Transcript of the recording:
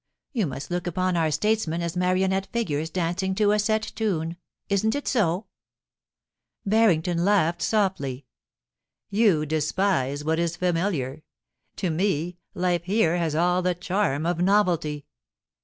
You must look upon our statesmen as marionette figures dancing to a set tune — isn't it so ?* Barrington laughed softly. * You despise what is familiar. To me, life here has all the charm of novelty.'